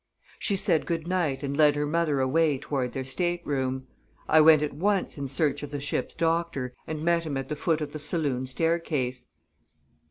She said good night, and led her mother away toward their stateroom. I went at once in search of the ship's doctor, and met him at the foot of the saloon staircase.